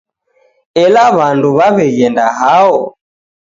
Ela w'andu w'aw'eghenda hao